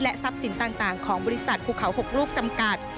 ทรัพย์สินต่างของบริษัทภูเขา๖ลูกจำกัด